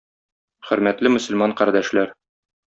Хөрмәтле мөселман кардәшләр!